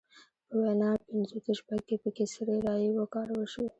په ویا پینځوس شپږ کې پکې سري رایې وکارول شوې.